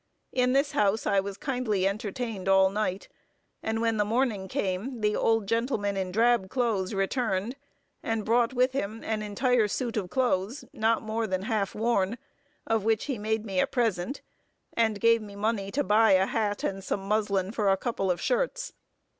In this house I was kindly entertained all night, and when the morning came, the old gentleman in drab clothes returned, and brought with him an entire suit of clothes, not more than half worn, of which he made me a present, and gave me money to buy a hat and some muslin for a couple of shirts.